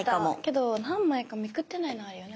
けど何枚かめくってないのあるよね